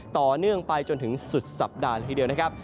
ต่อเนื่องไปจนถึงสุดสัปดาห์ละทีเดียวนะครับ